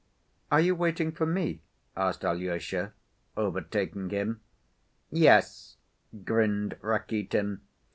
"Are you waiting for me?" asked Alyosha, overtaking him. "Yes," grinned Rakitin.